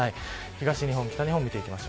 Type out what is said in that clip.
東日本、北日本です。